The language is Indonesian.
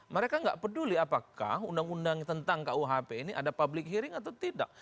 mereka nggak peduli apakah undang undang tentang kuhp ini ada public hearing atau tidak